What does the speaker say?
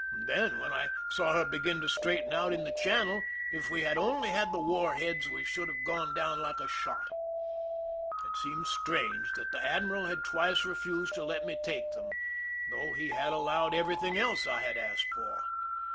Then, when I saw her begin to straighten out in the channel, if we had only had the war heads we should have gone down like a shot. It seemed strange that the ad miral had twice refused to let me take them, though he had allowed everything else that J had asked for.